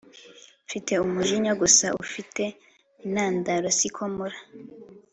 mfite umujinya gusa ufite intandaro siko mpora,